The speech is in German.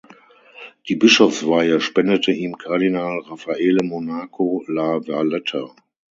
Die Bischofsweihe spendete ihm Kardinal Raffaele Monaco La Valletta.